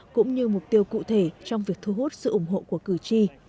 cũng như mục tiêu cụ thể trong việc thu hút sự ủng hộ của cử tri